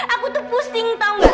aku tuh pusing tau gak